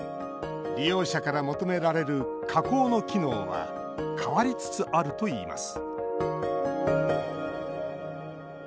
利用者から求められる加工の機能は変わりつつあるといいます